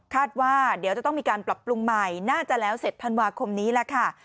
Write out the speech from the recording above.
ว่าเดี๋ยวจะต้องมีการปรับปรุงใหม่น่าจะแล้วเสร็จธันวาคมนี้แหละค่ะ